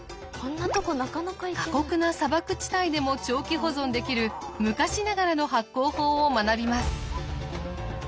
過酷な砂漠地帯でも長期保存できる昔ながらの発酵法を学びます。